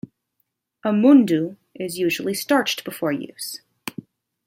A mundu is usually starched before use.